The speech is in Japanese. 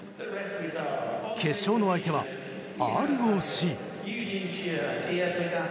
決勝の相手はＲＯＣ。